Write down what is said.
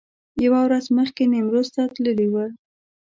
یوه ورځ مخکې نیمروز ته تللي و.